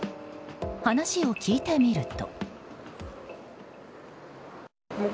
話を聞いてみると。